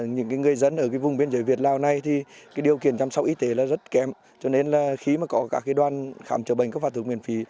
những người dân ở vùng biên giới việt lào này điều kiện chăm sóc y tế rất kém cho nên khi có các đoàn khám chữa bệnh cấp phạt thuốc miễn phí